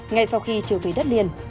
ngay sau khi trở về cộng sản